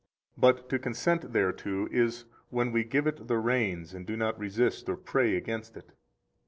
But to consent thereto is when we give it the reins and do not resist or pray against it.